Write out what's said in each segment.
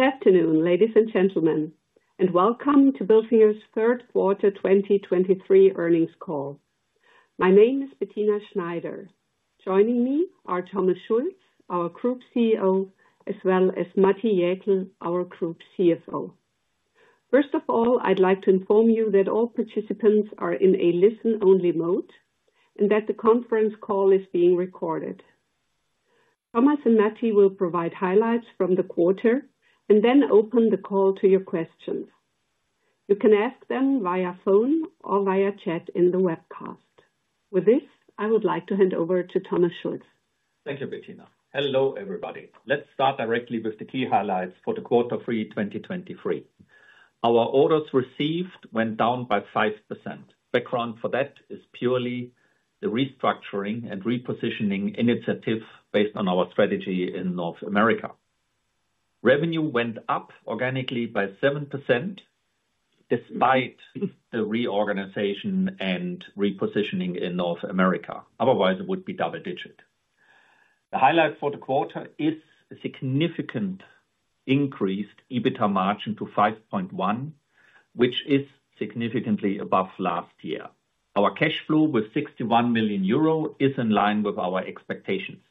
Good afternoon, ladies and gentlemen, and welcome to Bilfinger's third quarter 2023 earnings call. My name is Bettina Schneider. Joining me are Thomas Schulz, our Group CEO, as well as Matti Jäkel, our Group CFO. First of all, I'd like to inform you that all participants are in a listen-only mode, and that the conference call is being recorded. Thomas and Matti will provide highlights from the quarter and then open the call to your questions. You can ask them via phone or via chat in the webcast. With this, I would like to hand over to Thomas Schulz. Thank you, Bettina. Hello, everybody. Let's start directly with the key highlights for quarter three 2023. Our orders received went down by 5%. Background for that is purely the restructuring and repositioning initiative based on our strategy in North America. Revenue went up organically by 7%, despite the reorganization and repositioning in North America; otherwise it would be double digit. The highlight for the quarter is a significant increased EBITA margin to 5.1%, which is significantly above last year. Our cash flow, with 61 million euro, is in line with our expectations.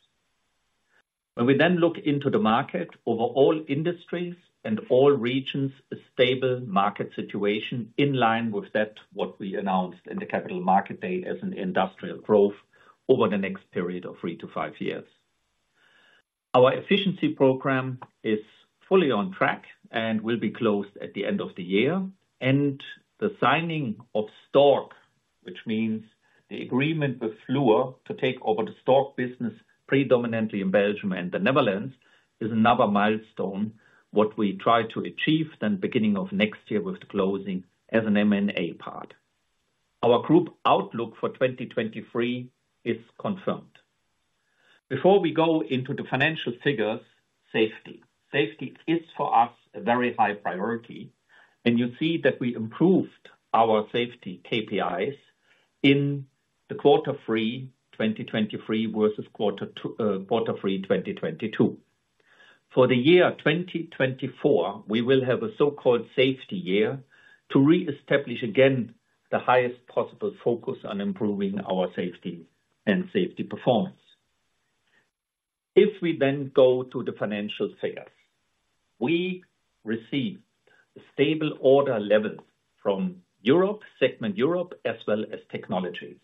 When we then look into the market, overall industries and all regions, a stable market situation in line with what we announced in the Capital Market Day as an industrial growth over the next period of three to five years. Our efficiency program is fully on track and will be closed at the end of the year, and the signing of Stork, which means the agreement with Fluor to take over the Stork business predominantly in Belgium and the Netherlands, is another milestone, what we try to achieve then beginning of next year with the closing as an M&A part. Our group outlook for 2023 is confirmed. Before we go into the financial figures, safety. Safety is, for us, a very high priority, and you see that we improved our safety KPIs in quarter three 2023 versus quarter two, quarter three 2022. For the year 2024, we will have a so-called safety year to reestablish again the highest possible focus on improving our safety and safety performance. If we then go to the financial figures, we received stable order levels from Europe, segment Europe, as well as Technologies.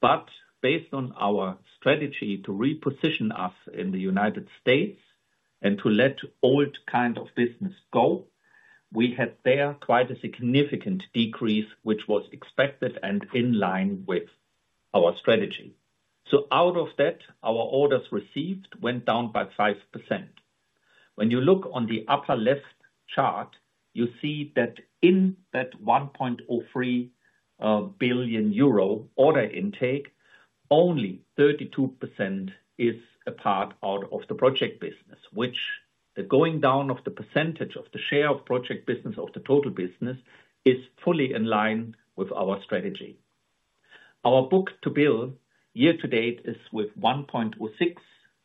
But based on our strategy to reposition us in the United States and to let old kind of business go, we had there quite a significant decrease, which was expected and in line with our strategy. So out of that, our orders received went down by 5%. When you look on the upper left chart, you see that in that 1.03 billion euro order intake, only 32% is a part out of the project business, which the going down of the percentage of the share of project business of the total business is fully in line with our strategy. Our book to bill year to date is with 1.06,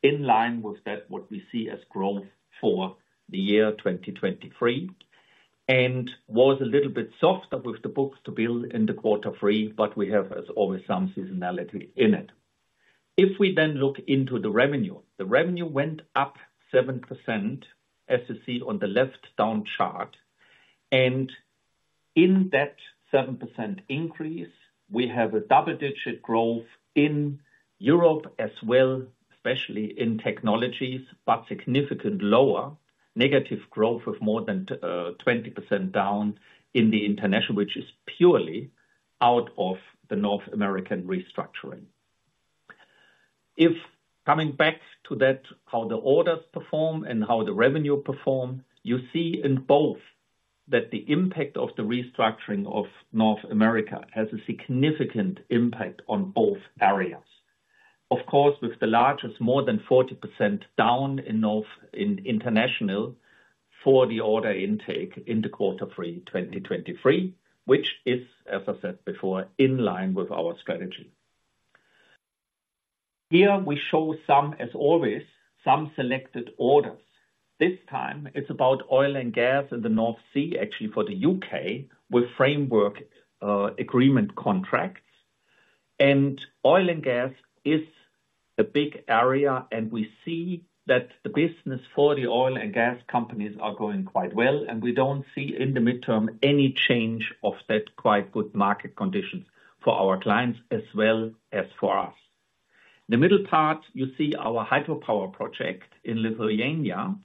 in line with that what we see as growth for the year 2023, and was a little bit softer with the book to bill in the quarter three, but we have, as always, some seasonality in it. If we then look into the revenue, the revenue went up 7%, as you see on the left down chart, and in that 7% increase, we have a double-digit growth in Europe as well, especially in Technologies, but significant lower negative growth of more than 20% down in the International, which is purely out of the North American restructuring. If coming back to that, how the orders perform and how the revenue perform, you see in both that the impact of the restructuring of North America has a significant impact on both areas. Of course, with the largest, more than 40% down in international for the order intake in quarter three, 2023, which is, as I said before, in line with our strategy. Here we show some, as always, some selected orders. This time it's about oil and gas in the North Sea, actually, for the U.K., with framework agreement contracts. And oil and gas is a big area, and we see that the business for the oil and gas companies are going quite well, and we don't see in the midterm any change of that quite good market conditions for our clients as well as for us. The middle part, you see our hydropower project in Lithuania.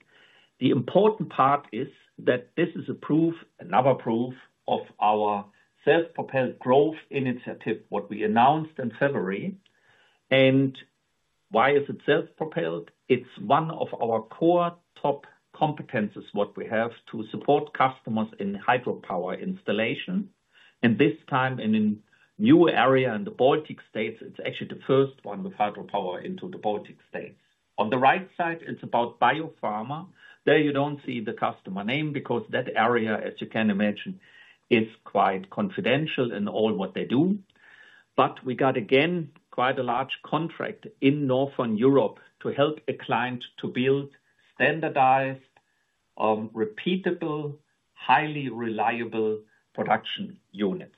The important part is that this is a proof, another proof, of our self-propelled growth initiative, what we announced in February. And why is it self-propelled? It's one of our core top competencies, what we have to support customers in hydropower installation, and this time in a new area in the Baltic states. It's actually the first one with hydropower into the Baltic states. On the right side, it's about biopharma. There you don't see the customer name because that area, as you can imagine, is quite confidential in all what they do. But we got, again, quite a large contract in Northern Europe to help a client to build standardized, repeatable, highly reliable production units.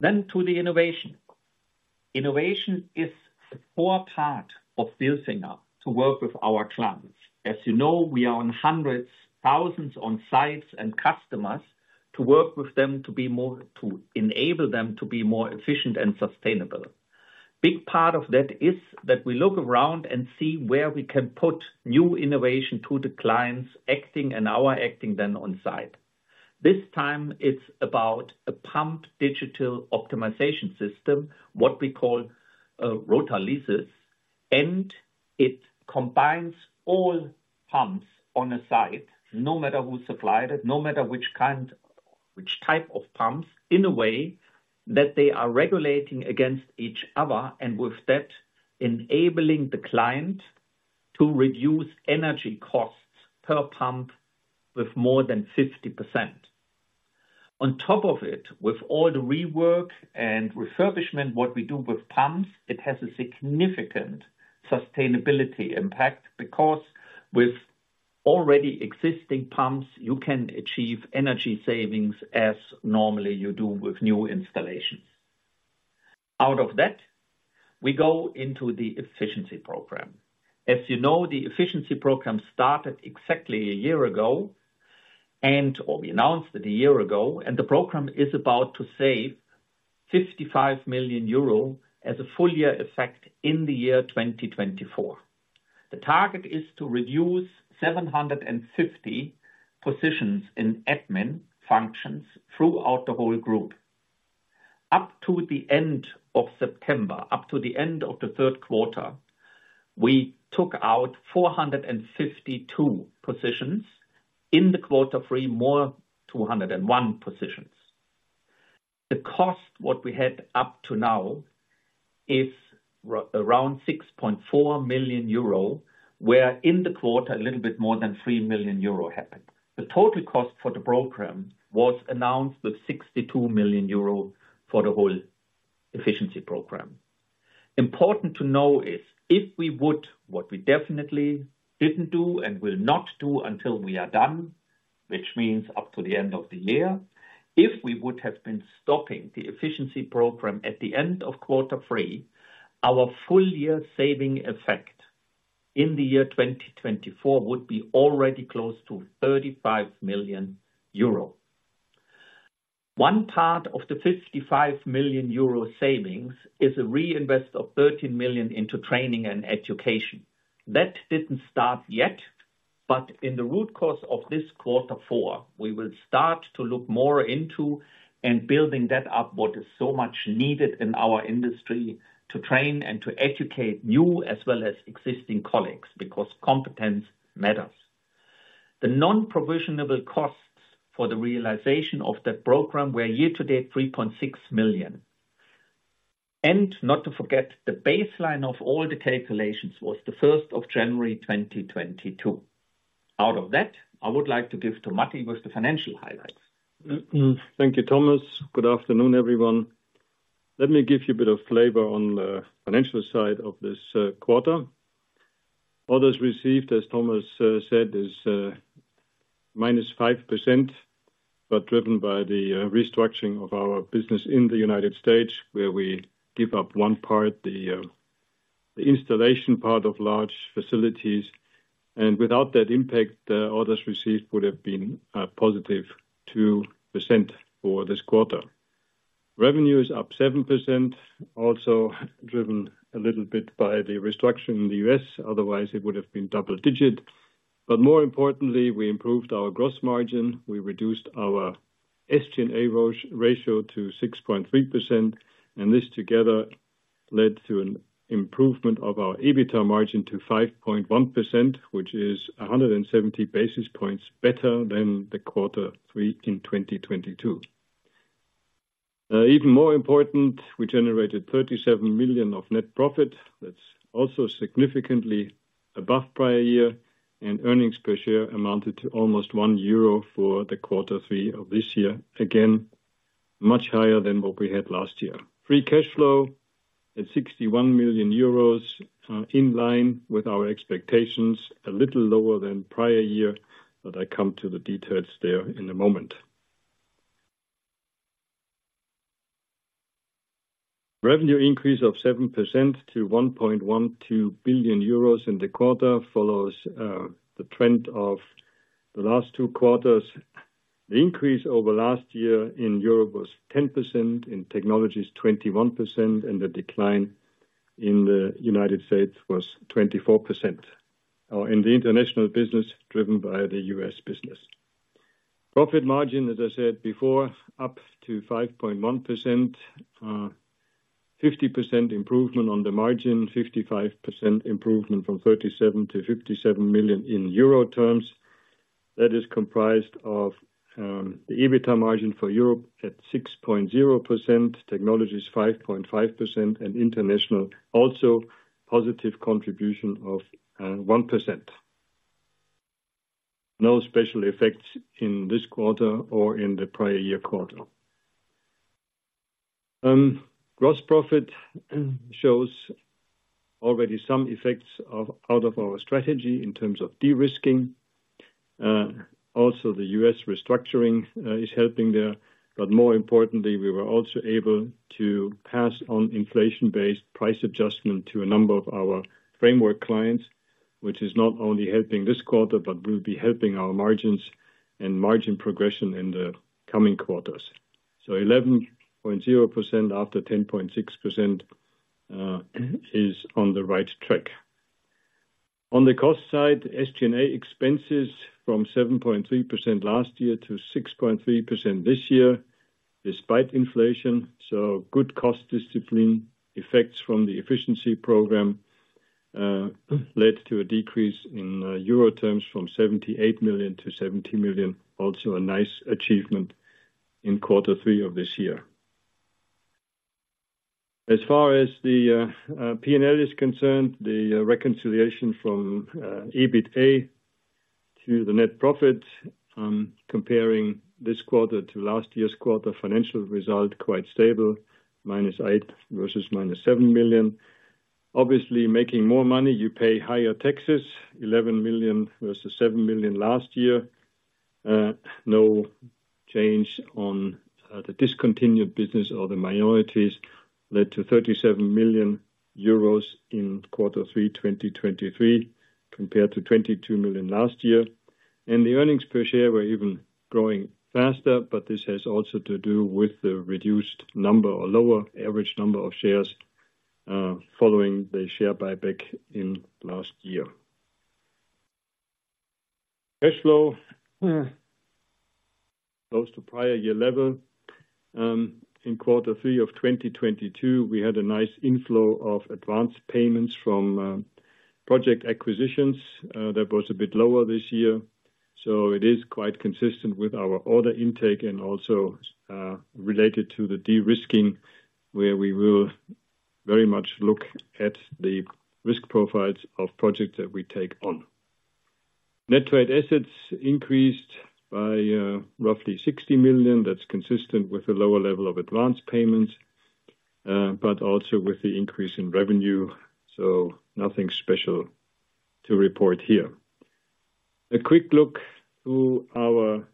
Then to the innovation. Innovation is a core part of Bilfinger to work with our clients. As you know, we are on hundreds, thousands on sites and customers, to work with them, to be more, to enable them to be more efficient and sustainable. Big part of that is that we look around and see where we can put new innovation to the clients acting and our acting then on site. This time it's about a pump digital optimization system, what we call Rotalysis, and it combines all pumps on a site, no matter who supplied it, no matter which kind, which type of pumps, in a way that they are regulating against each other, and with that, enabling the client to reduce energy costs per pump with more than 50%. On top of it, with all the rework and refurbishment, what we do with pumps, it has a significant sustainability impact, because with already existing pumps, you can achieve energy savings as normally you do with new installations. Out of that, we go into the efficiency program. As you know, the efficiency program started exactly a year ago, and, or we announced it a year ago, and the program is about to save 55 million euro as a full year effect in the year 2024. The target is to reduce 750 positions in admin functions throughout the whole group. Up to the end of September, up to the end of the third quarter, we took out 452 positions. In the quarter three, more, 201 positions. The cost, what we had up to now, is around 6.4 million euro, where in the quarter, a little bit more than 3 million euro happened. The total cost for the program was announced with 62 million euro for the whole efficiency program. Important to know is, if we would, what we definitely didn't do and will not do until we are done, which means up to the end of the year, if we would have been stopping the efficiency program at the end of quarter three, our full year saving effect in the year 2024 would be already close to 35 million euro. One part of the 55 million euro savings is a reinvest of 13 million into training and education. That didn't start yet, but in the root cause of this quarter four, we will start to look more into and building that up, what is so much needed in our industry to train and to educate new as well as existing colleagues, because competence matters. The non-provisionable costs for the realization of that program were year-to-date 3.6 million. Not to forget, the baseline of all the calculations was the first of January 2022. Out of that, I would like to give to Matti with the financial highlights. Thank you, Thomas. Good afternoon, everyone. Let me give you a bit of flavor on the financial side of this quarter. Orders received, as Thomas said, is -5%, but driven by the restructuring of our business in the United States, where we give up one part, the installation part of large facilities. And without that impact, the orders received would have been +2% for this quarter. Revenue is up 7%, also driven a little bit by the restructure in the U.S., otherwise it would have been double-digit. But more importantly, we improved our gross margin. We reduced our SG&A ratio to 6.3%, and this together led to an improvement of our EBITA margin to 5.1%, which is 170 basis points better than the quarter three in 2022. Even more important, we generated 37 million of net profit. That's also significantly above prior year, and earnings per share amounted to almost 1 euro for the quarter three of this year. Again, much higher than what we had last year. Free cash flow at 61 million euros, in line with our expectations, a little lower than prior year, but I come to the details there in a moment. Revenue increase of 7% to 1.12 billion euros in the quarter, follows the trend of the last two quarters. The increase over last year in Europe was 10%, in Technologies, 21%, and the decline in the United States was 24%. In the international business, driven by the U.S. business. Profit margin, as I said before, up to 5.1%. 50% improvement on the margin, 55% improvement from 37 million-57 million euro. That is comprised of the EBITA margin for Europe at 6.0%, Technologies, 5.5%, and international, also positive contribution of 1%. No special effects in this quarter or in the prior year quarter. Gross profit shows already some effects of our strategy in terms of de-risking. Also the U.S. restructuring is helping there, but more importantly, we were also able to pass on inflation-based price adjustment to a number of our framework clients, which is not only helping this quarter, but will be helping our margins and margin progression in the coming quarters. So 11.0% after 10.6% is on the right track. On the cost side, SG&A expenses from 7.3% last year to 6.3% this year, despite inflation. So good cost discipline effects from the efficiency program led to a decrease in euro terms from 78 million to 70 million. Also, a nice achievement in quarter three of this year. As far as the P&L is concerned, the reconciliation from EBITA to the net profit, comparing this quarter to last year's quarter, financial result quite stable, minus 8 million versus minus 7 million. Obviously, making more money, you pay higher taxes, 11 million versus 7 million last year. No change on the discontinued business or the minorities, led to 37 million euros in quarter three, 2023, compared to 22 million last year. And the earnings per share were even growing faster, but this has also to do with the reduced number or lower average number of shares, following the share buyback in last year. Cash flow, close to prior year level. In quarter three of 2022, we had a nice inflow of advanced payments from project acquisitions. That was a bit lower this year, so it is quite consistent with our order intake and also related to the de-risking, where we will very much look at the risk profiles of projects that we take on. Net trade assets increased by roughly 60 million. That's consistent with a lower level of advanced payments but also with the increase in revenue. So nothing special to report here. A quick look through our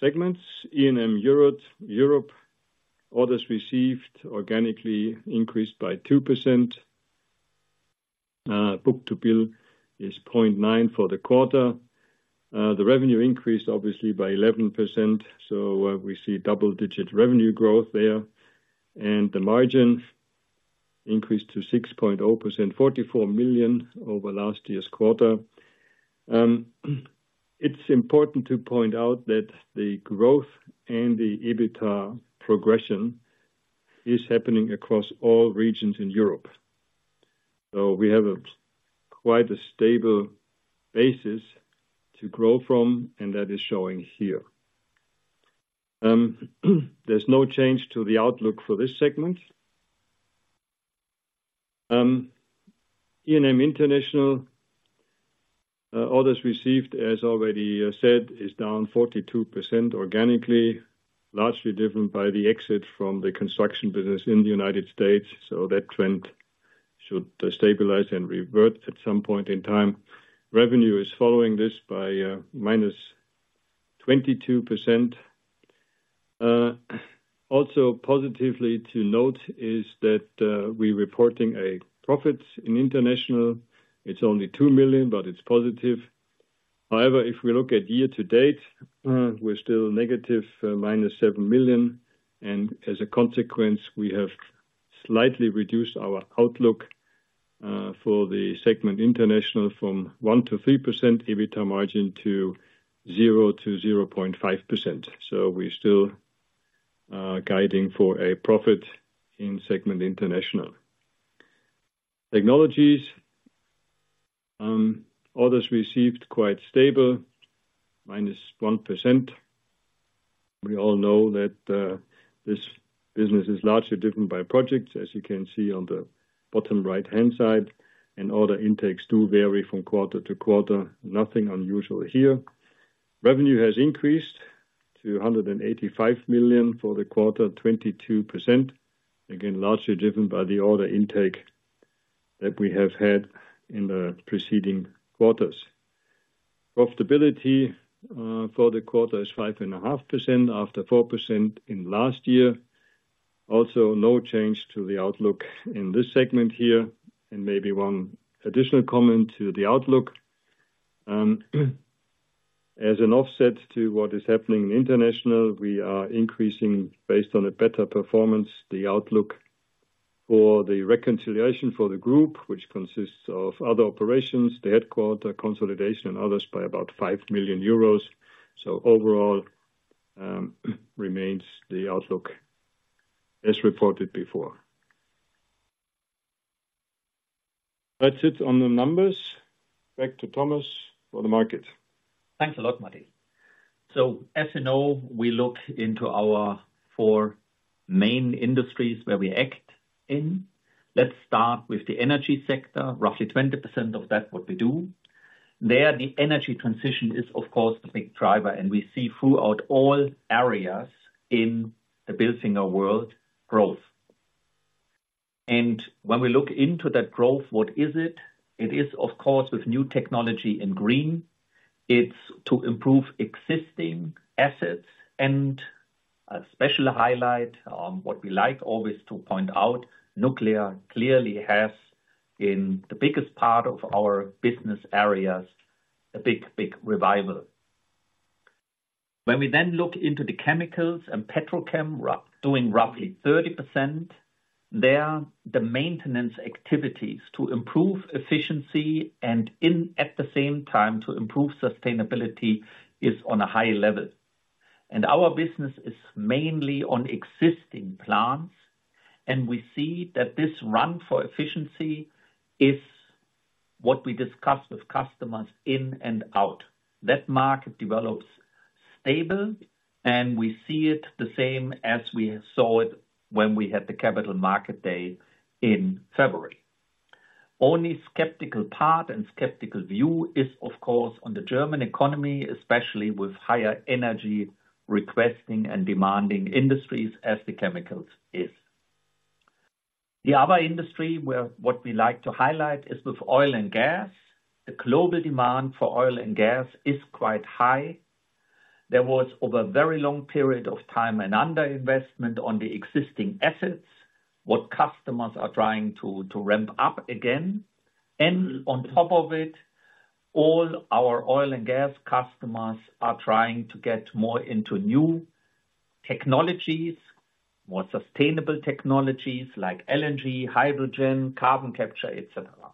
segments. E&M Europe, Europe, orders received organically increased by 2%. Book-to-bill is 0.9 for the quarter. The revenue increased obviously by 11%, so we see double-digit revenue growth there. And the margin increased to 6.0%, 44 million over last year's quarter. It's important to point out that the growth and the EBITA progression is happening across all regions in Europe. So we have a quite a stable basis to grow from, and that is showing here. There's no change to the outlook for this segment. E&M International, orders received, as already said, is down 42% organically, largely driven by the exit from the construction business in the United States, so that trend should stabilize and revert at some point in time. Revenue is following this by -22%. Also positively to note is that, we're reporting a profit in international. It's only 2 million, but it's positive. However, if we look at year to date, we're still negative, minus 7 million, and as a consequence, we have slightly reduced our outlook for the segment international from 1%-3% EBITA margin to 0%-0.5%. So we're still guiding for a profit in segment International Technologies, orders received quite stable, -1%. We all know that this business is largely driven by project, as you can see on the bottom right-hand side, and order intakes do vary from quarter to quarter. Nothing unusual here. Revenue has increased to 185 million for the quarter, 22%. Again, largely different by the order intake that we have had in the preceding quarters. Profitability for the quarter is 5.5%, after 4% in last year. Also, no change to the outlook in this segment here, and maybe one additional comment to the outlook. As an offset to what is happening in international, we are increasing, based on a better performance, the outlook for the reconciliation for the group, which consists of other operations, the headquarter, consolidation and others, by about 5 million euros. So overall, remains the outlook as reported before. That's it on the numbers. Back to Thomas for the market. Thanks a lot, Matti. So as you know, we looked into our four main industries where we act in. Let's start with the energy sector, roughly 20% of that, what we do. There, the energy transition is, of course, the big driver, and we see throughout all areas in the Bilfinger world, growth. And when we look into that growth, what is it? It is, of course, with new technology in green, it's to improve existing assets and a special highlight, what we like always to point out, nuclear clearly has, in the biggest part of our business areas, a big, big revival. When we then look into the chemicals and petrolchem, roughly doing 30%, there, the maintenance activities to improve efficiency and, at the same time, to improve sustainability, is on a high level. Our business is mainly on existing plants, and we see that this run for efficiency is what we discuss with customers in and out. That market develops stable, and we see it the same as we saw it when we had the Capital Market Day in February. Only skeptical part and skeptical view is, of course, on the German economy, especially with higher energy requesting and demanding industries, as the chemicals is. The other industry, where what we like to highlight, is with oil and gas. The global demand for oil and gas is quite high. There was, over a very long period of time, an underinvestment on the existing assets, what customers are trying to, to ramp up again. And on top of it, all our oil and gas customers are trying to get more into new Technologies, more sustainable Technologies like LNG, hydrogen, carbon capture, et cetera.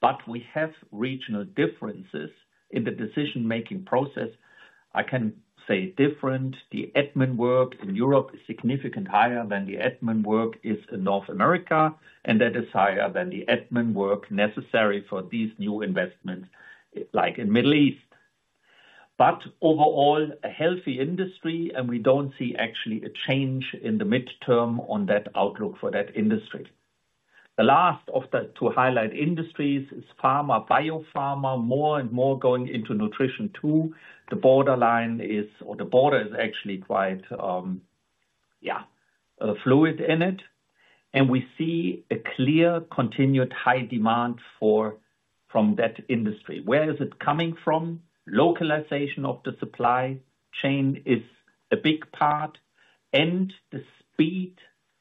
But we have regional differences in the decision-making process. I can say different, the admin work in Europe is significantly higher than the admin work is in North America, and that is higher than the admin work necessary for these new investments, like in Middle East. But overall, a healthy industry, and we don't see actually a change in the midterm on that outlook for that industry. The last of the to highlight industries is pharma, biopharma, more and more going into nutrition, too. The borderline is, or the border is actually quite, fluid in it, and we see a clear, continued high demand from that industry. Where is it coming from? Localization of the supply chain is a big part, and the speed,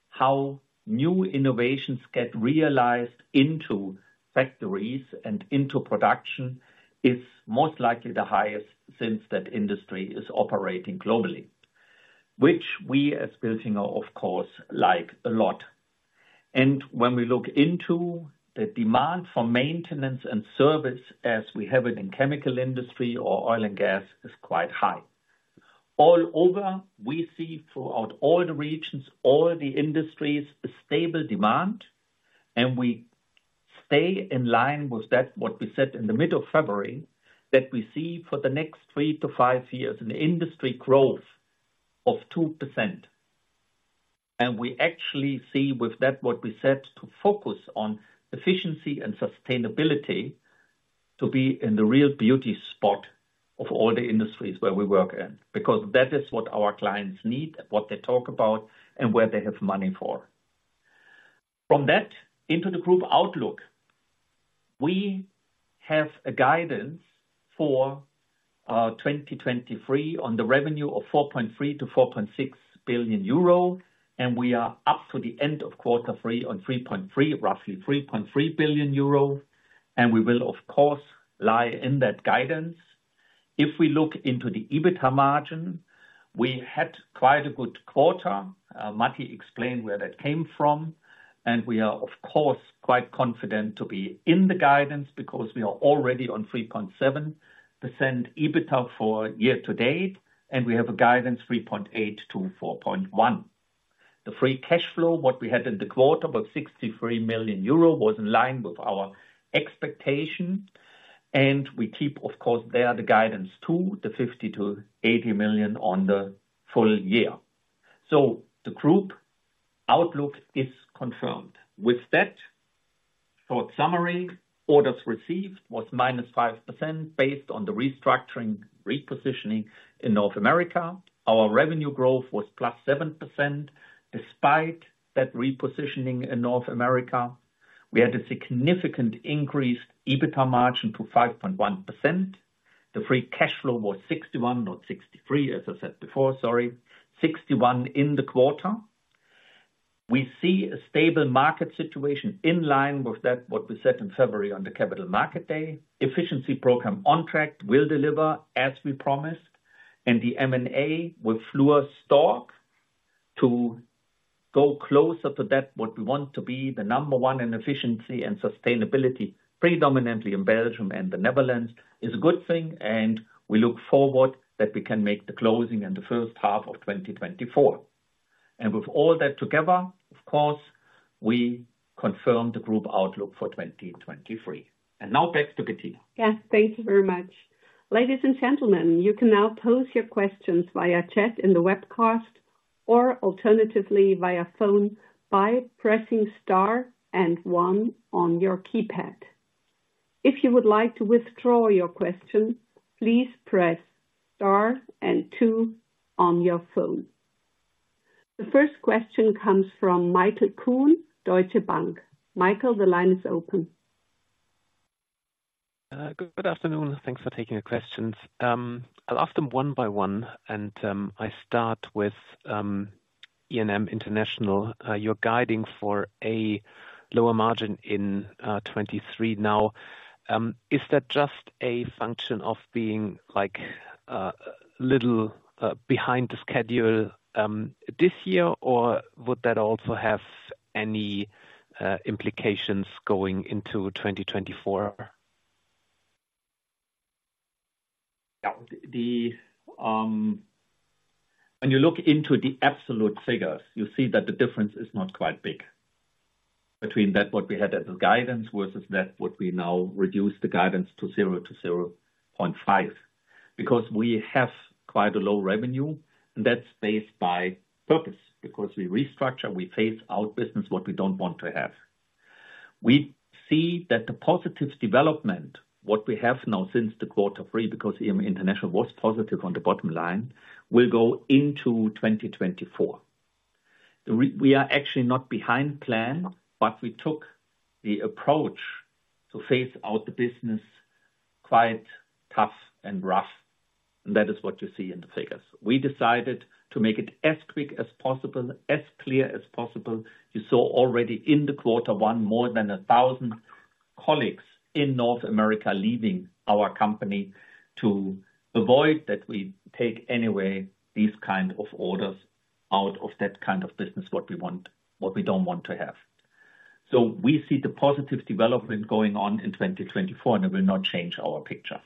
how new innovations get realized into factories and into production is most likely the highest since that industry is operating globally. Which we, as Bilfinger, of course, like a lot. And when we look into the demand for maintenance and service, as we have it in chemical industry or oil and gas, is quite high. All over, we see throughout all the regions, all the industries, a stable demand, and we stay in line with that, what we said in the middle of February, that we see for the next three to five years, an industry growth of 2%. And we actually see with that, what we said, to focus on efficiency and sustainability, to be in the real beauty spot of all the industries where we work in, because that is what our clients need, what they talk about, and where they have money for. From that, into the group outlook. We have a guidance for 2023 on the revenue of 4.3 billion-4.6 billion euro, and we are up to the end of quarter three on 3.3 billion, roughly 3.3 billion euro, and we will, of course, lie in that guidance. If we look into the EBITA margin, we had quite a good quarter. Matti explained where that came from, and we are, of course, quite confident to be in the guidance because we are already on 3.7% EBITA for year to date, and we have a guidance, 3.8%-4.1%. The free cash flow, what we had in the quarter, about 63 million euro, was in line with our expectation, and we keep, of course, there, the guidance to the 50 million-80 million on the full year. The group outlook is confirmed. With that, for summary, orders received was -5% based on the restructuring, repositioning in North America. Our revenue growth was +7%. Despite that repositioning in North America, we had a significant increased EBITA margin to 5.1%. The free cash flow was 61 million, not 63 million, as I said before, sorry, 61 in the quarter. We see a stable market situation in line with that, what we said in February on the Capital Market Day. Efficiency program on track will deliver as we promised, and the M&A with Fluor, Stork to go closer to that, what we want to be the number one in efficiency and sustainability, predominantly in Belgium and the Netherlands, is a good thing, and we look forward that we can make the closing in the first half of 2024. With all that together, of course, we confirm the group outlook for 2023. Now back to Bettina. Yes, thank you very much. Ladies and gentlemen, you can now pose your questions via chat in the webcast, or alternatively, via phone by pressing star and one on your keypad. If you would like to withdraw your question, please press star and two on your phone. The first question comes from Michael Kuhn, Deutsche Bank. Michael, the line is open. Good afternoon, thanks for taking the questions. I'll ask them one by one, and I start with E&M International. You're guiding for a lower margin in 2023 now. Is that just a function of being, like, little behind the schedule this year? Or would that also have any implications going into 2024? Yeah. When you look into the absolute figures, you see that the difference is not quite big between that, what we had as a guidance, versus that what we now reduce the guidance to 0%-0.5%. Because we have quite a low revenue, and that's based by purpose, because we restructure, we phase out business what we don't want to have. We see that the positive development, what we have now since quarter three, because E&M International was positive on the bottom line, will go into 2024. We are actually not behind plan, but we took the approach to phase out the business quite tough and rough, and that is what you see in the figures. We decided to make it as quick as possible, as clear as possible. You saw already in quarter one more than 1,000 colleagues in North America leaving our company to avoid that we take anyway these kind of orders out of that kind of business, what we want-what we don't want to have. So we see the positive development going on in 2024, and it will not change our picture.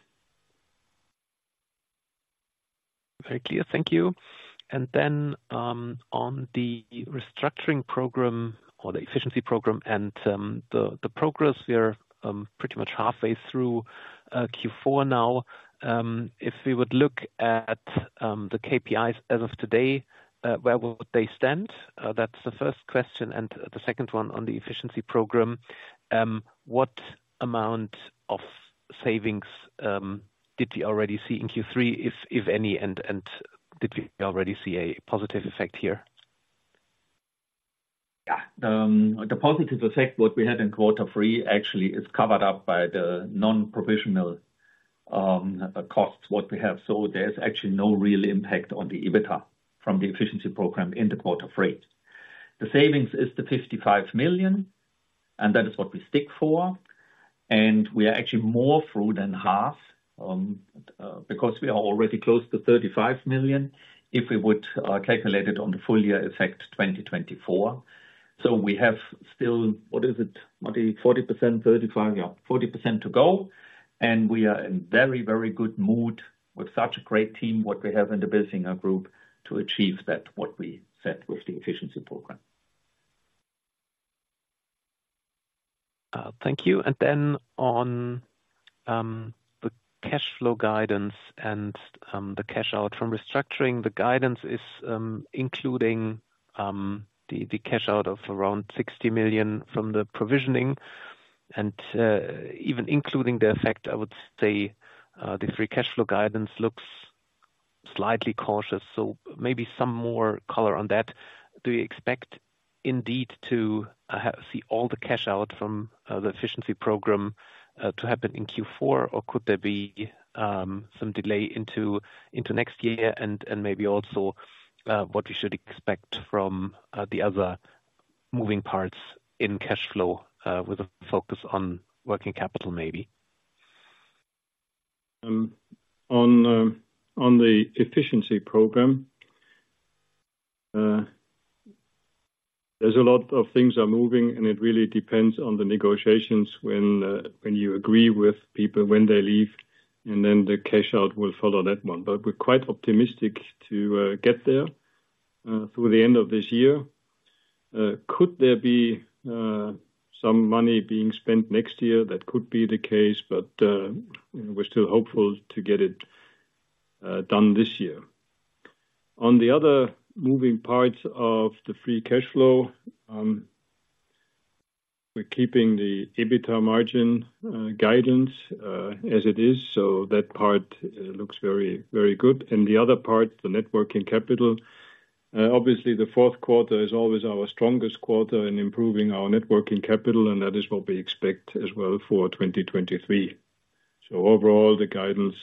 Very clear. Thank you. And then, on the restructuring program or the efficiency program and, the progress, we are pretty much halfway through Q4 now. If we would look at the KPIs as of today, where would they stand? That's the first question, and the second one on the efficiency program, what amount of savings did you already see in Q3, if any, and did you already see a positive effect here? Yeah. The positive effect, what we had in quarter three, actually, is covered up by the non-provisional costs, what we have. So there's actually no real impact on the EBITA from the efficiency program in quarter three. The savings is 55 million, and that is what we stick for. And we are actually more through than half, because we are already close to 35 million, if we would calculate it on the full year effect, 2024. So we have still, what is it? Maybe 40%, 35%, yeah, 40% to go. And we are in very, very good mood with such a great team, what we have in the Bilfinger Group, to achieve that, what we set with the efficiency program. Thank you. Then on the cash flow guidance and the cash out from restructuring, the guidance is including the cash out of around 60 million from the provisioning. Even including the effect, I would say the free cash flow guidance looks slightly cautious, so maybe some more color on that. Do you expect indeed to have to see all the cash out from the efficiency program to happen in Q4, or could there be some delay into next year? And maybe also what we should expect from the other moving parts in cash flow with a focus on working capital, maybe. On the efficiency program, there's a lot of things are moving, and it really depends on the negotiations when you agree with people, when they leave, and then the cash out will follow that one. But we're quite optimistic to get there through the end of this year. Could there be some money being spent next year? That could be the case, but we're still hopeful to get it done this year. On the other moving parts of the free cash flow, we're keeping the EBITA margin guidance as it is, so that part looks very, very good. And the other part, the net working capital, obviously the fourth quarter is always our strongest quarter in improving our net working capital, and that is what we expect as well for 2023. Overall, the guidance,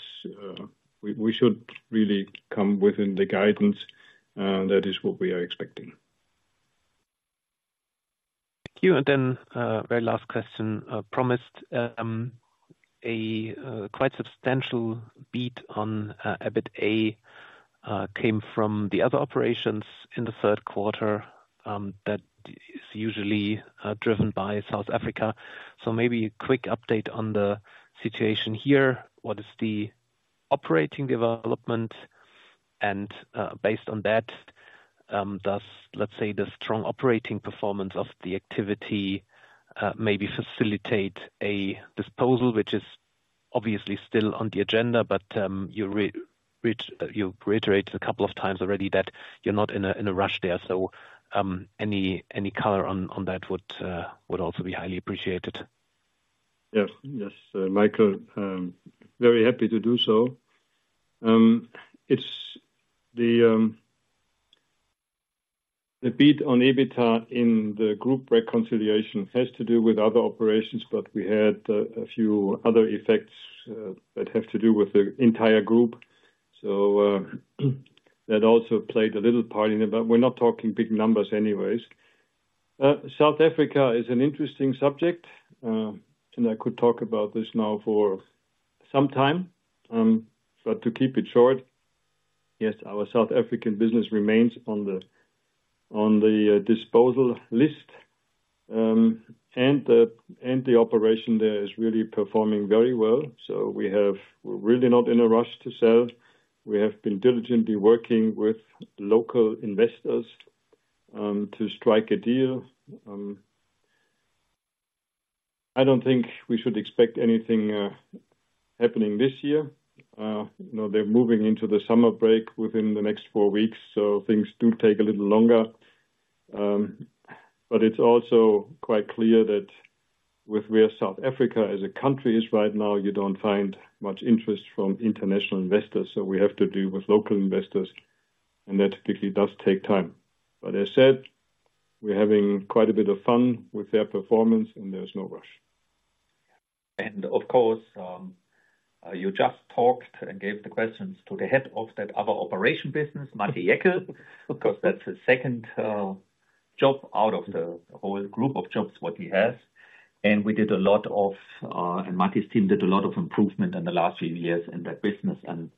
we should really come within the guidance, that is what we are expecting. Thank you. And then, very last question, promised. A quite substantial beat on EBITA came from the other operations in the third quarter, that is usually driven by South Africa. So maybe a quick update on the situation here. What is the operating development and, based on that, does, let's say, the strong operating performance of the activity, maybe facilitate a disposal, which is obviously still on the agenda, but, which you reiterated a couple of times already, that you're not in a, in a rush there. So, any color on that would also be highly appreciated. Yes. Yes, Michael, very happy to do so. It's the beat on EBITDA in the group reconciliation has to do with other operations, but we had a few other effects that have to do with the entire group. So, that also played a little part in it, but we're not talking big numbers anyways. South Africa is an interesting subject, and I could talk about this now for some time. But to keep it short, yes, our South African business remains on the disposal list. And the operation there is really performing very well. So we're really not in a rush to sell. We have been diligently working with local investors to strike a deal. I don't think we should expect anything happening this year. You know, they're moving into the summer break within the next four weeks, so things do take a little longer. But it's also quite clear that with where South Africa as a country is right now, you don't find much interest from international investors, so we have to do with local investors, and that typically does take time. But as I said, we're having quite a bit of fun with their performance, and there's no rush. Of course, you just talked and gave the questions to the head of that other operation business, Matti Jäkel, because that's the second job out of the whole group of jobs what he has. And Matti's team did a lot of improvement in the last few years in that business, and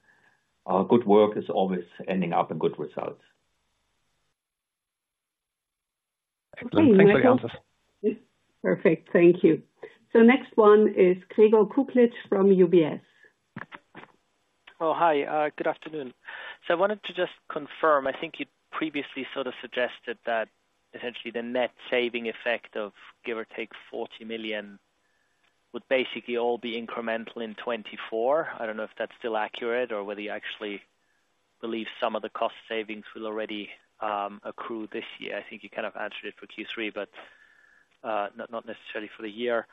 good work is always ending up in good results. Thanks for the answer. Perfect. Thank you. So next one is Gregor Kuglitsch from UBS. Good afternoon. So I wanted to just confirm, I think you previously sort of suggested that essentially the net saving effect of give or take 40 million would basically all be incremental in 2024. I don't know if that's still accurate or whether you actually believe some of the cost savings will already accrue this year. I think you kind of answered it for Q3, but not necessarily for the year.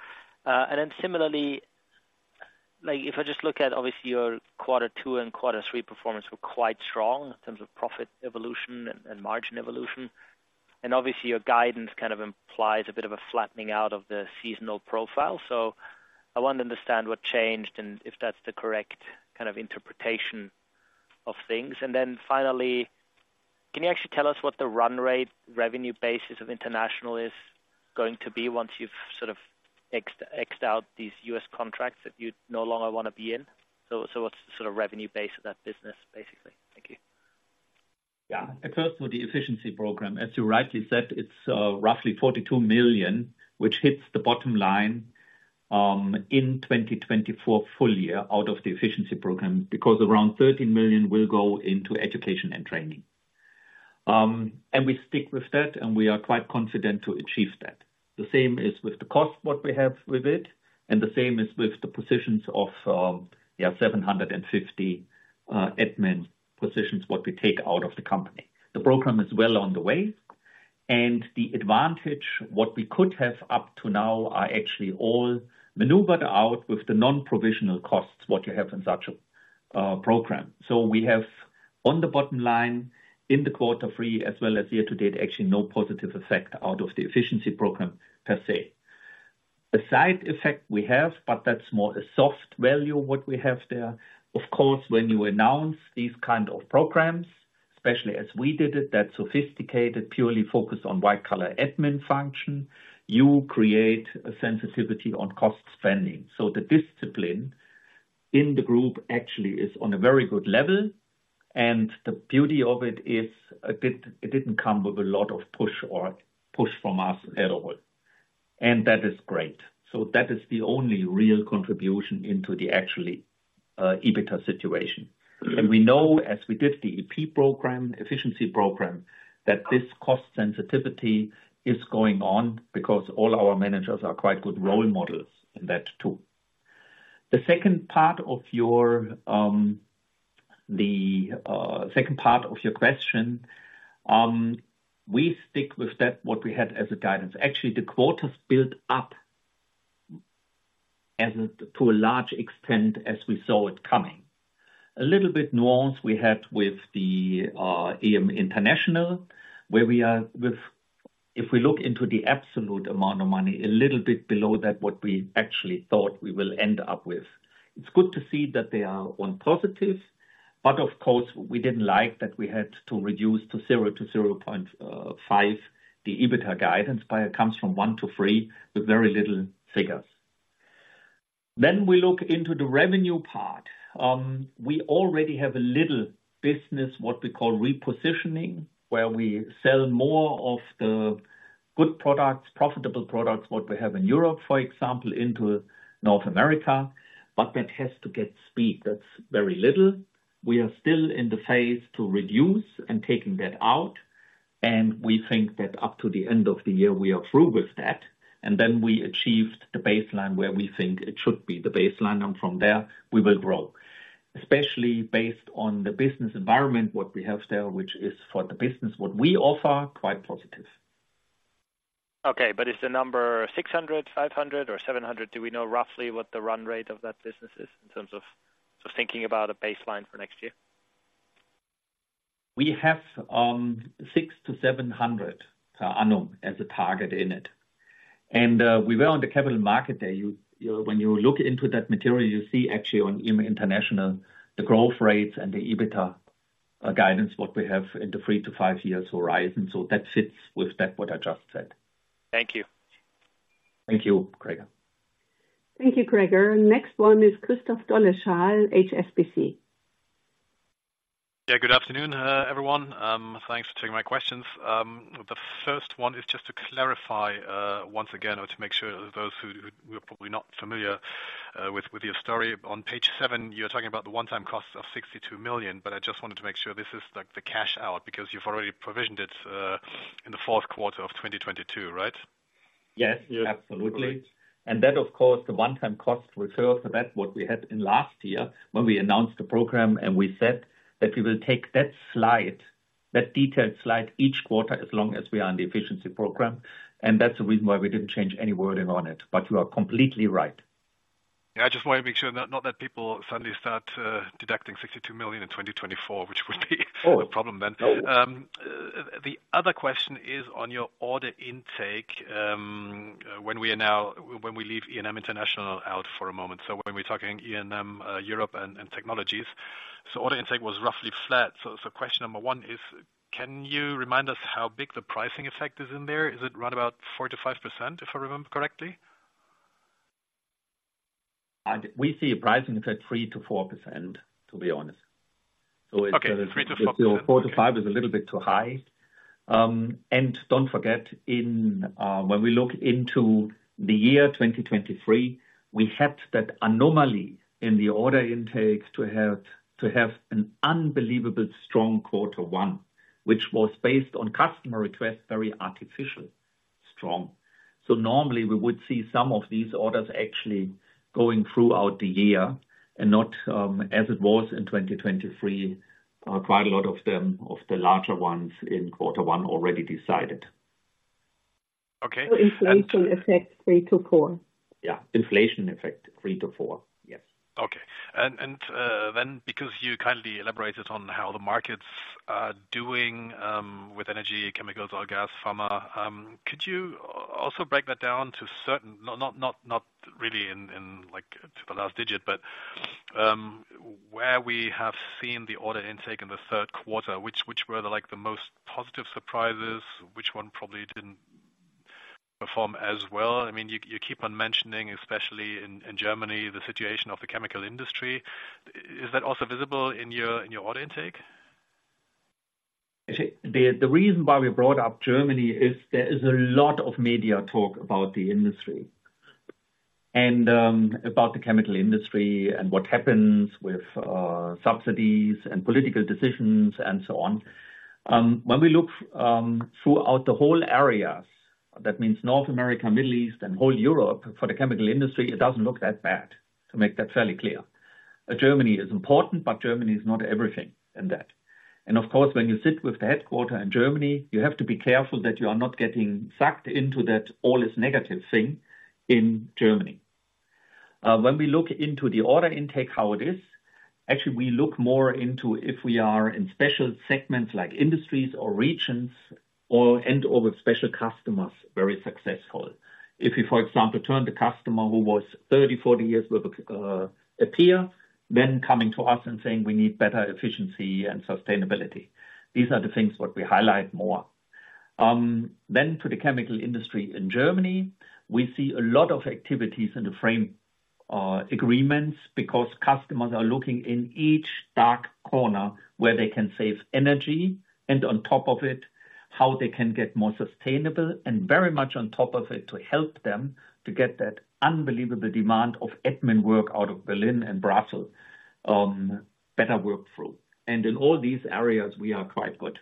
And then similarly, like, if I just look at obviously your quarter two and quarter three performance were quite strong in terms of profit evolution and margin evolution. And obviously, your guidance kind of implies a bit of a flattening out of the seasonal profile. So I want to understand what changed and if that's the correct kind of interpretation of things. And then finally, can you actually tell us what the run rate revenue basis of international is going to be once you've sort of ex- exed out these U.S. contracts that you no longer want to be in? So, so what's the sort of revenue base of that business, basically? Thank you. Yeah. First, for the efficiency program, as you rightly said, it's roughly 42 million, which hits the bottom line in 2024 full year out of the efficiency program, because around 13 million will go into education and training. And we stick with that, and we are quite confident to achieve that. The same is with the cost, what we have with it, and the same is with the positions of, yeah, 750 admin positions, what we take out of the company. The program is well on the way, and the advantage, what we could have up to now, are actually all maneuvered out with the non-provisional costs, what you have in such a program. So we have on the bottom line in the quarter three as well as year to date, actually, no positive effect out of the efficiency program per se. A side effect we have, but that's more a soft value, what we have there. Of course, when you announce these kind of programs, especially as we did it, that sophisticated, purely focused on white-collar admin function, you create a sensitivity on cost spending. So the discipline in the group actually is on a very good level, and the beauty of it is, it didn't come with a lot of push or push from us at all. And that is great. So that is the only real contribution into the actually EBITDA situation. We know, as we did the EP program, efficiency program, that this cost sensitivity is going on because all our managers are quite good role models in that too. The second part of your question, we stick with that, what we had as a guidance. Actually, the quarters built up as it to a large extent, as we saw it coming. A little bit nuance we had with the E&M International, where we are with, if we look into the absolute amount of money, a little bit below that, what we actually thought we will end up with. It's good to see that they are on positive, but of course, we didn't like that we had to reduce to 0%-0.5%. The EBITA guidance by year comes from one to three, with very little figures. Then we look into the revenue part. We already have a little business, what we call repositioning, where we sell more of the good products, profitable products, what we have in Europe, for example, into North America, but that has to get speed. That's very little. We are still in the phase to reduce and taking that out, and we think that up to the end of the year, we are through with that. And then we achieved the baseline where we think it should be, the baseline, and from there we will grow. Especially based on the business environment, what we have there, which is for the business, what we offer, quite positive. Okay, but is the number 600, 500 or 700? Do we know roughly what the run rate of that business is in terms of, so thinking about a baseline for next year? We have 600-700 per annum as a target in it. And we were on the capital market there. When you look into that material, you see actually on international, the growth rates and the EBITDA guidance, what we have in the three to five years horizon. So that fits with that, what I just said. Thank you. Thank you, Gregor. Thank you, Gregor. Next one is Christoph Dolleschal, HSBC. Yeah, good afternoon, everyone. Thanks for taking my questions. The first one is just to clarify, once again, or to make sure those who are probably not familiar with your story. On page seven, you're talking about the one-time cost of 62 million, but I just wanted to make sure this is, like, the cash out, because you've already provisioned it in the fourth quarter of 2022, right? Yes, absolutely. And that, of course, the one-time cost reserve for that, what we had in last year, when we announced the program and we said that we will take that slide, that detailed slide each quarter, as long as we are on the efficiency program. And that's the reason why we didn't change any wording on it. But you are completely right. Yeah, I just want to make sure, not, not that people suddenly start deducting 62 million in 2024, which would be a problem then. No. The other question is on your order intake, when we leave E&M International out for a moment, so when we're talking E&M Europe and Technologies. So order intake was roughly flat. So question number one is, can you remind us how big the pricing effect is in there? Is it right about 4%-5%, if I remember correctly? We see a pricing effect, 3%-4%, to be honest. Okay, 3%-4%. So 4%-5% is a little bit too high. And don't forget, in when we look into the year 2023, we had that anomaly in the order intake to have an unbelievable strong quarter one, which was based on customer request, very artificial, strong. So normally we would see some of these orders actually going throughout the year and not, as it was in 2023, quite a lot of them, of the larger ones in quarter one, already decided. Okay. Inflation effect, 3%-4%. Yeah, inflation effect, 3%-4%. Yes. Okay. And then, because you kindly elaborated on how the markets are doing, with energy, chemicals, oil, gas, pharma, could you also break that down to certain, not, not really in, like, to the last digit, but, where we have seen the order intake in the third quarter, which were the, like, the most positive surprises, which one probably didn't perform as well? I mean, you keep on mentioning, especially in Germany, the situation of the chemical industry. Is that also visible in your order intake? The reason why we brought up Germany is there is a lot of media talk about the industry and about the chemical industry and what happens with subsidies and political decisions and so on. When we look throughout the whole areas, that means North America, Middle East and whole Europe, for the chemical industry, it doesn't look that bad, to make that fairly clear. Germany is important, but Germany is not everything in that. And of course, when you sit with the headquarters in Germany, you have to be careful that you are not getting sucked into that all is negative thing in Germany. When we look into the order intake, how it is, actually, we look more into if we are in special segments like industries or regions or, and/or with special customers, very successful. If you, for example, turn the customer who was 30, 40 years with a peer, then coming to us and saying: We need better efficiency and sustainability. These are the things what we highlight more. Then to the chemical industry in Germany, we see a lot of activities in the framework agreements because customers are looking in each dark corner where they can save energy, and on top of it, how they can get more sustainable and very much on top of it to help them to get that unbelievable demand of admin work out of Berlin and Brussels, better work through. And in all these areas, we are quite good.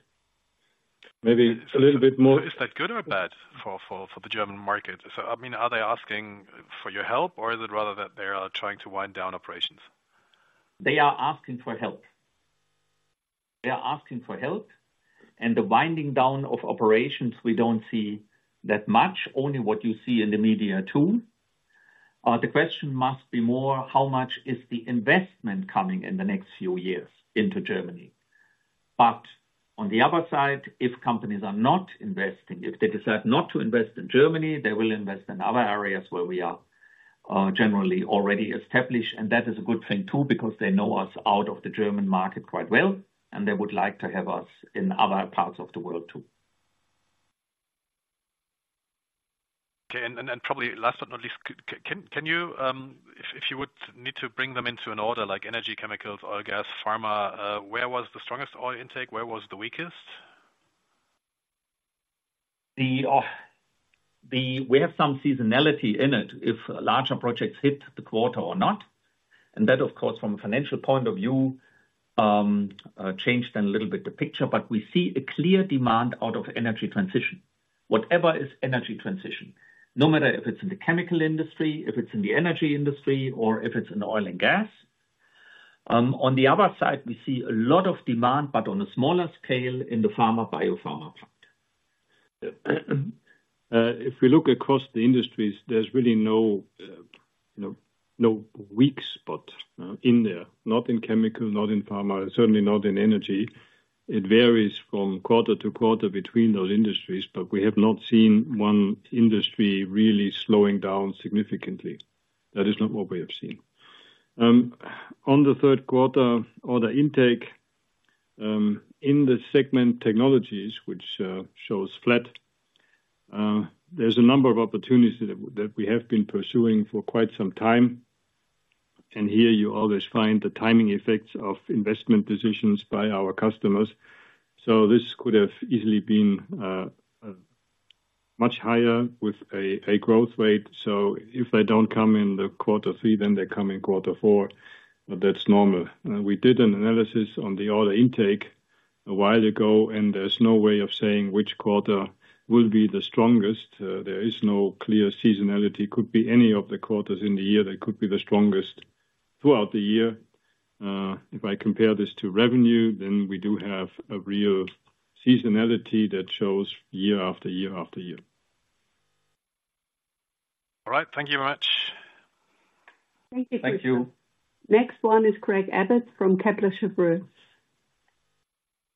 Maybe a little bit more- Is that good or bad for the German market? So, I mean, are they asking for your help, or is it rather that they are trying to wind down operations? They are asking for help. They are asking for help, and the winding down of operations, we don't see that much, only what you see in the media, too. The question must be more, how much is the investment coming in the next few years into Germany? But on the other side, if companies are not investing, if they decide not to invest in Germany, they will invest in other areas where we are, generally already established. And that is a good thing, too, because they know us out of the German market quite well, and they would like to have us in other parts of the world, too. Okay, and probably last but not least, can you, if you would need to bring them into an order like energy, chemicals, oil, gas, pharma, where was the strongest oil intake? Where was the weakest? We have some seasonality in it, if larger projects hit the quarter or not. And that, of course, from a financial point of view, changed then a little bit the picture. But we see a clear demand out of energy transition. Whatever is energy transition, no matter if it's in the chemical industry, if it's in the energy industry, or if it's in oil and gas. On the other side, we see a lot of demand, but on a smaller scale in the pharma, biopharma part. If we look across the industries, there's really no, you know, no weak spot in there. Not in chemical, not in pharma, and certainly not in energy. It varies from quarter to quarter between those industries, but we have not seen one industry really slowing down significantly. That is not what we have seen. On the third quarter, order intake in the segment Technologies, which shows flat, there's a number of opportunities that we have been pursuing for quite some time, and here you always find the timing effects of investment decisions by our customers. So this could have easily been a much higher with a growth rate. So if they don't come in the quarter three, then they come in quarter four, that's normal. We did an analysis on the order intake a while ago, and there's no way of saying which quarter will be the strongest. There is no clear seasonality. Could be any of the quarters in the year that could be the strongest throughout the year. If I compare this to revenue, then we do have a real seasonality that shows year after year after year. All right. Thank you very much. Thank you. Thank you. Next one is Craig Abbott from Kepler Cheuvreux.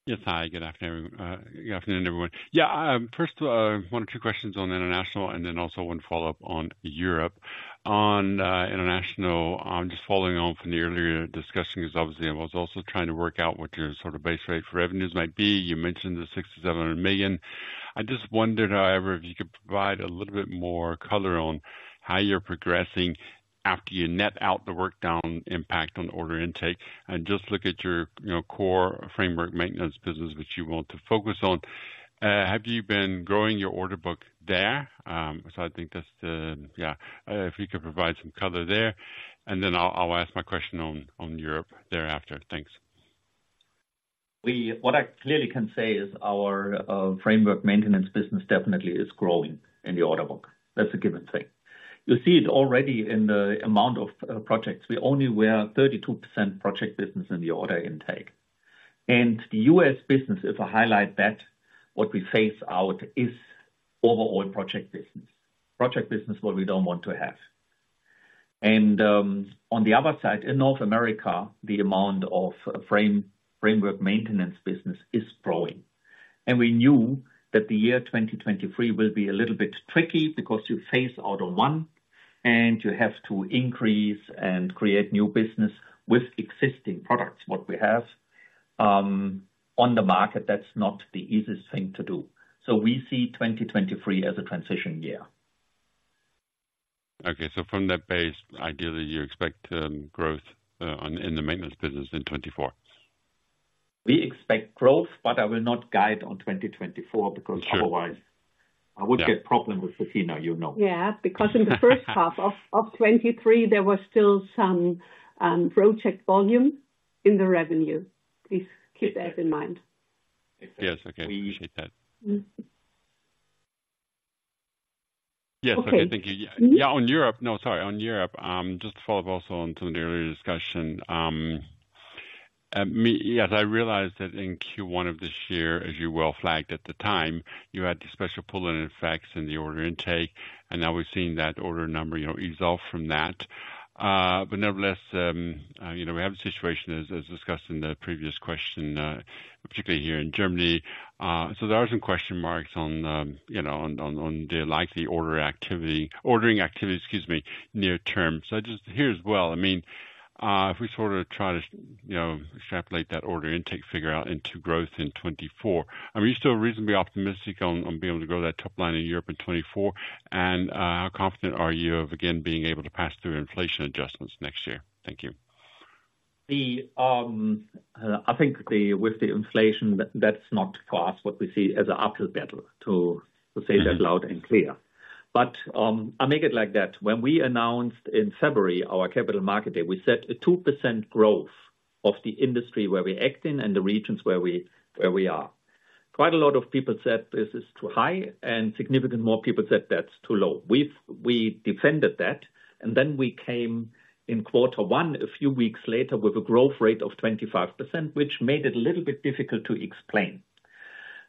Yes. Hi, good afternoon, everyone. Good afternoon, everyone. Yeah, first, one or two questions on international and then also one follow-up on Europe. On international, I'm just following on from the earlier discussion, because obviously I was also trying to work out what your sort of base rate for revenues might be. You mentioned the 60 million-700 million. I just wondered, however, if you could provide a little bit more color on how you're progressing after you net out the work down impact on order intake, and just look at your, you know, core framework maintenance business, which you want to focus on. Have you been growing your order book there? So I think that's the. Yeah, if you could provide some color there, and then I'll ask my question on Europe thereafter. Thanks. What I clearly can say is our framework maintenance business definitely is growing in the order book. That's a given thing. You see it already in the amount of projects. We only were 32% project business in the order intake. And the U.S. business is a highlight that what we phase out is overall project business. Project business, what we don't want to have. And on the other side, in North America, the amount of framework maintenance business is growing. And we knew that the year 2023 will be a little bit tricky because you phase out of one, and you have to increase and create new business with existing products, what we have on the market, that's not the easiest thing to do. So we see 2023 as a transition year. Okay. So from that base, ideally, you expect growth in the maintenance business in 2024? We expect growth, but I will not guide on 2024- Sure. Because otherwise I would get problem with Sofina, you know. Yeah, because in the first half of 2023, there was still some project volume in the revenue. Please keep that in mind. Yes. Okay. Appreciate that. Mm-hmm. Yes. Okay. Okay. Thank you. Yeah, on Europe. No, sorry, on Europe, just to follow up also on some of the earlier discussion. Yes, I realized that in Q1 of this year, as you well flagged at the time, you had the special pull-in effects in the order intake, and now we're seeing that order number, you know, ex off from that. But nevertheless, you know, we have a situation as discussed in the previous question, particularly here in Germany. So there are some question marks on, you know, on the likely order activity, ordering activity, excuse me, near term. So just here as well, I mean, if we sort of try to, you know, extrapolate that order intake figure out into growth in 2024, I mean, are you still reasonably optimistic on, on being able to grow that top line in Europe in 2024? And, how confident are you of again, being able to pass through inflation adjustments next year? Thank you. With the inflation, that's not for us, what we see as an uphill battle, to say that loud and clear. But, I make it like that. When we announced in February our Capital Market Day, we set a 2% growth of the industry where we act in and the regions where we are. Quite a lot of people said this is too high, and significantly more people said that's too low. We've defended that, and then we came in quarter one, a few weeks later, with a growth rate of 25%, which made it a little bit difficult to explain.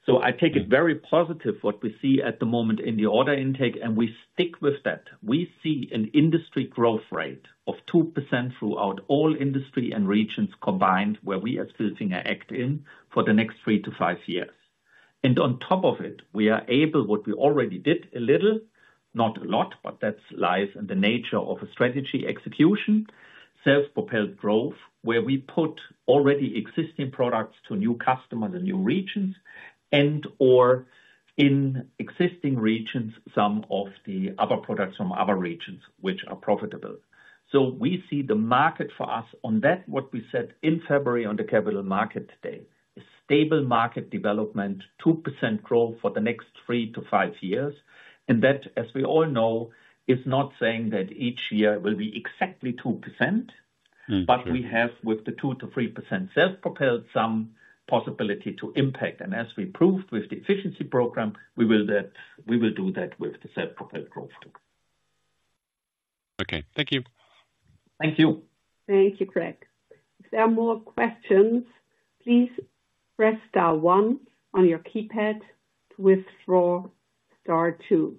So I take it very positive what we see at the moment in the order intake, and we stick with that. We see an industry growth rate of 2% throughout all industry and regions combined, where we at Bilfinger act in for the next three to five years. On top of it, we are able, what we already did a little, not a lot, but that lies in the nature of a strategy execution. Self-propelled growth, where we put already existing products to new customers and new regions, and/or in existing regions, some of the other products from other regions which are profitable. So we see the market for us on that, what we said in February on the Capital Market Day, a stable market development, 2% growth for the next three to five years. And that, as we all know, is not saying that each year will be exactly 2%. Mm. But we have, with the 2%-3% self-propelled, some possibility to impact. And as we proved with the efficiency program, we will, we will do that with the self-propelled growth. Okay. Thank you. Thank you. Thank you, Craig. If there are more questions, please press star one on your keypad, to withdraw, star two.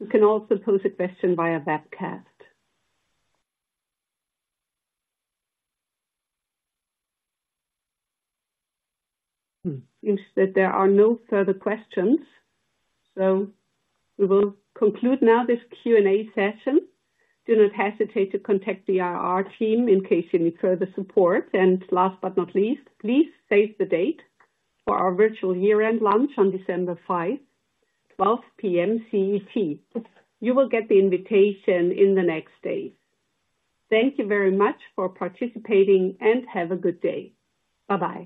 You can also pose a question via webcast. Seems that there are no further questions, so we will conclude now this Q&A session. Do not hesitate to contact the RR team in case you need further support. And last but not least, please save the date for our virtual year-end lunch on December 5, 12 P.M. CET. You will get the invitation in the next days. Thank you very much for participating, and have a good day. Bye-bye.